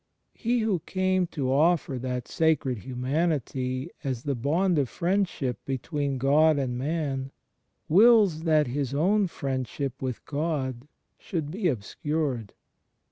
He who came to offer that Sacred Himian ity as the bond of Friendship between God and man, wills that His own Friendship with God should be obscured.